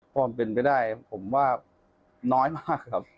ความเป็นไปได้ผมว่าน้อยมากครับ